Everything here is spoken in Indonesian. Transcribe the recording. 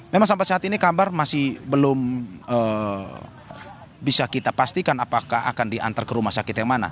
memang sampai saat ini kabar masih belum bisa kita pastikan apakah akan diantar ke rumah sakit yang mana